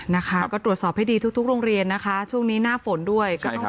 นะคะก็ตรวจสอบให้ดีทุกโรงเรียนนะคะช่วงนี้หน้าฝนด้วยก็ต้อง